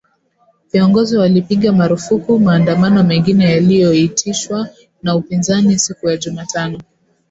Viongozi walipiga marufuku maandamano mengine yaliyoitishwa na upinzani siku ya Jumatano